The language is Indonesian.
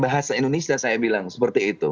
bahasa indonesia saya bilang seperti itu